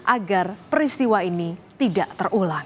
agar peristiwa ini tidak terulang